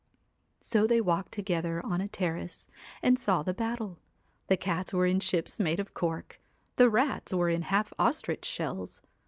So they walked together on a terrace and saw the battle. The cats were in ships made of cork. The rats were in half ostrich shells.